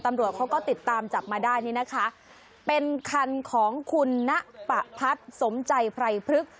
ตำรวจเขาก็ติดตามจับมาได้เป็นคันของคุณณปะพัดสมใจไพรพฤก